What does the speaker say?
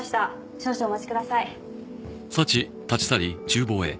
少々お待ちください